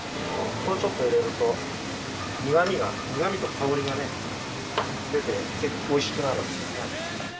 これをちょっと入れると苦味と香りが出て結構おいしくなるんですよね。